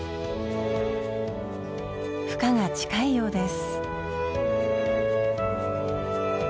ふ化が近いようです。